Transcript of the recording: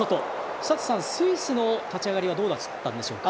寿人さん、スイスの立ち上がりはどうだったんでしょうか。